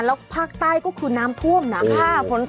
แล้วภาคใต้ก็คือน้ำท่วมนะ